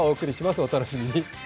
お楽しみに。